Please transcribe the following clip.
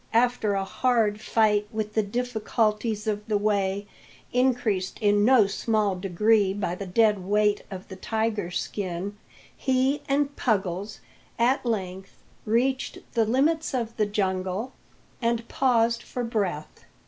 After a hard fight with the difficulties of the way increased in no small degree by the dead weight of the tiger skin he and Puggles at length reached the limits of the jungle and paused for breath.